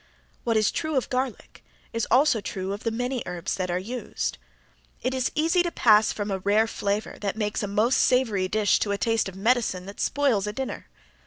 What is true of garlic is also true of the many herbs that are used. It is easy to pass from a rare flavor that makes a most savory dish to a taste of medicine that spoils a dinner.